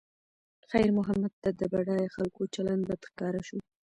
خیر محمد ته د بډایه خلکو چلند بد ښکاره شو.